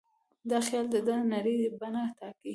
دا خیال د ده د نړۍ بڼه ټاکي.